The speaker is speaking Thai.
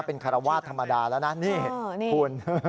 เป็นคารวาสธรรมดาแล้วนะนี่คุณ